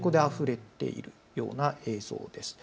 ここであふれているような映像です。